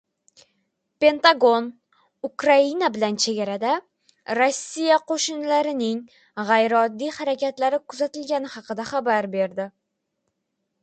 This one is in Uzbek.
Pentagon Ukraina bilan chegarada Rossiya qo‘shinlarining “g‘ayrioddiy” harakatlari kuzatilgani haqida xabar berdi